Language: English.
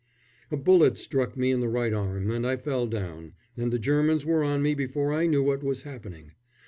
A bullet struck me in the right arm and I fell down, and the Germans were on me before I knew what was happening.